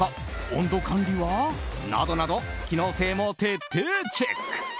温度管理は？などなど機能性も徹底チェック。